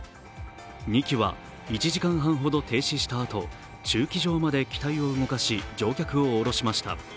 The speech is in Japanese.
２機は１時間半ほど停止したあと、駐機場まで機体を動かし乗客を降ろしました。